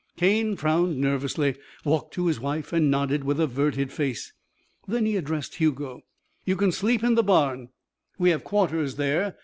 Cane frowned nervously, walked to his wife, and nodded with averted face. Then he addressed Hugo: "You can sleep in the barn. We have quarters there.